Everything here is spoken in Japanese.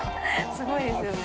すごいですよね。